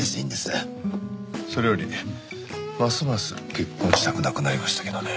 それよりますます結婚したくなくなりましたけどね。